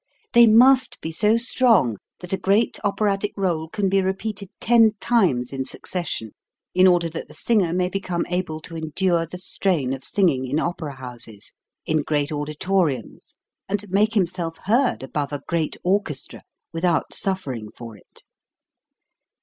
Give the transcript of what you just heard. They must be so strong that a great oper atic role can be repeated ten times in succes sion, in order that the singer may become able to endure the strain of singing in opera houses, in great auditoriums, and make him self heard above a great orchestra, without suffering for it.